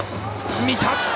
見た！